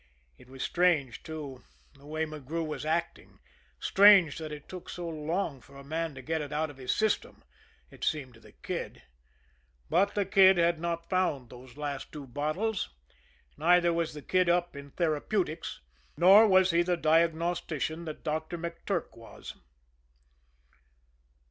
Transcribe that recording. It was strange, too, the way McGrew was acting, strange that it took so long for the man to get it out of his system, it seemed to the Kid; but the Kid had not found those last two bottles, neither was the Kid up in therapeutics, nor was he the diagnostician that Doctor McTurk was.